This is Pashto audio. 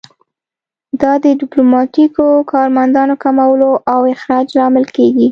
دا د ډیپلوماتیکو کارمندانو کمولو او اخراج لامل کیږي